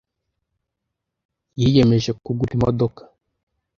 Yiyemeje kugura imodoka.